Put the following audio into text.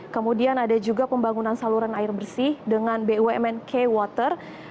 kemudian ada juga pembangunan saluran air bersih dengan bumn k water